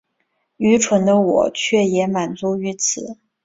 愚蠢的我却也满足於此